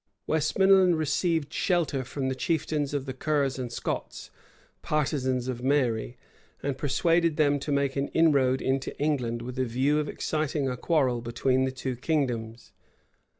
Westmoreland received shelter from the chieftains of the Kers and Scots, partisans of Mary; and persuaded them to make an inroad into England, with a view of exciting a quarrel between the two kingdoms.